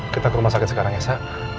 kita ke rumah sakit sekarang ya sa